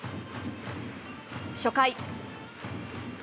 初回。